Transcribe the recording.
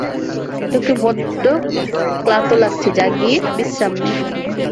তোকে বড্ড ক্লান্ত লাগছে, যা গিয়ে বিশ্রাম নে!